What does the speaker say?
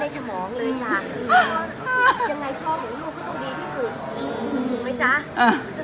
เจ๋งเย็นจิ